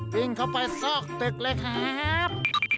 วิ่งเข้าไปซอกตึกเลยครับ